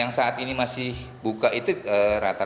yang saat ini masih buka itu masih beroperasional